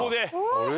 あれ？